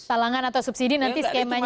salangan atau subsidi nanti skemanya